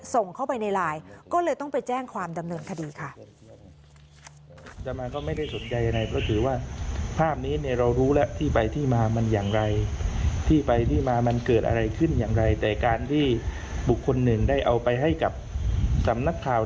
ส่งเข้าไปในไลน์ก็เลยต้องไปแจ้งความดำเนินคดีค่ะ